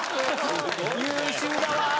優秀だわ。